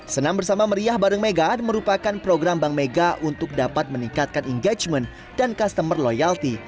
senam bersama meriah bareng mega merupakan program bank mega untuk dapat meningkatkan engagement dan customer loyalty